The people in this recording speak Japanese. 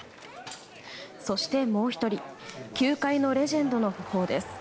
そして、もう１人球界のレジェンドの訃報です。